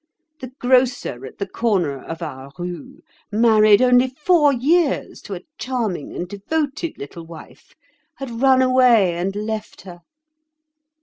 The grocer at the corner of our rue, married only four years to a charming and devoted little wife, had run away and left her.